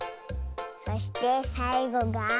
そしてさいごが。